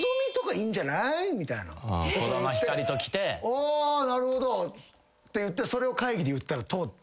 あなるほどっていってそれを会議で言ったら通って。